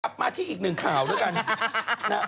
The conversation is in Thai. มาที่อีกหนึ่งข่าวด้วยกัน